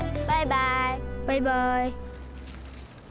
バイバイ。